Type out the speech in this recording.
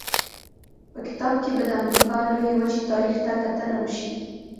په کتاب کې به د امریکا لویې وچې تاریخ ته کتنه وشي.